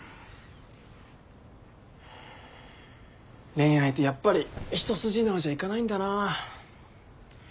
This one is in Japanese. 恋愛ってやっぱり一筋縄じゃいかないんだな。